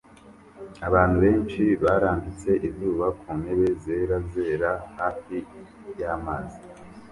Abantu benshi barambitse izuba ku ntebe zera zera hafi y'amazi